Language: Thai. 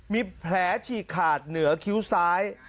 มีแผลฉีกขาดเหนือคิ้วซ้าย